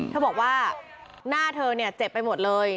เธอบอกว่าหน้าเธอเนี่ยเจ็บไปหมดเลย